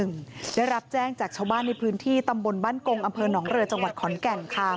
วันที่๑ได้รับแจ้งจากชาวบ้านในพื้นที่ตำบลบ้านกงอนเหลือจขอนแก่น